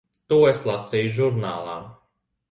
To es lasīju žurnālā.